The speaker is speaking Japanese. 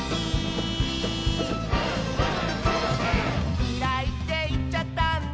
「きらいっていっちゃったんだ」